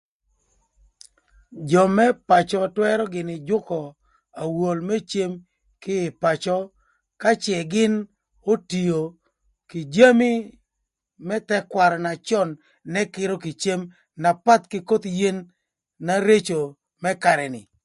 Jö më pacö twërö gïnï jükö awol më cem kï ï pacö ka cë gïn otio kï jami më thëkwarö na cön n'ëkïrö kï cem na path kï koth yen na reco më karë ni.